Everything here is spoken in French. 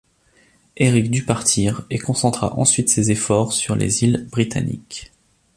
Éric dut partir et concentra ensuite ses efforts sur les îles Britanniques.